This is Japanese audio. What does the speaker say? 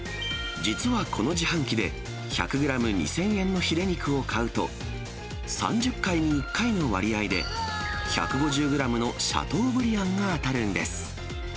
実はこの自販機で、１００グラム２０００円のフィレ肉を買うと、３０回に１回の割合で、１５０グラムのシャトーブリアンが当たるんです。